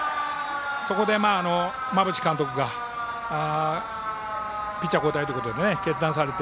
そこで、馬淵監督がピッチャー交代ということを決断されて。